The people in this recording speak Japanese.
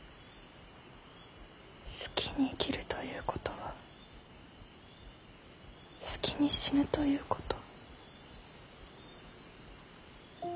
好きに生きるということは好きに死ぬということ？